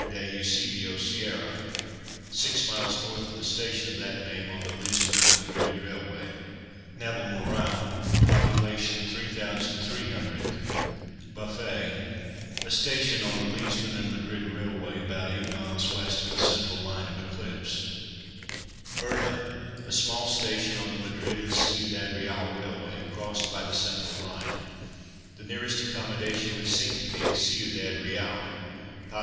de Eusebio Sierra_), 6m. N. of the station of that name on the Lisbon and Madrid Railway. NAVALMORAL (pop. 3300, buffet), a station on the Lisbon and Madrid Railway about 8m. W. of the central line of eclipse. URDA, a small station on the Madrid and Ciudad Real Railway, crossed by the central line. The nearest accommodation would seem to be at Ciudad Real (pop.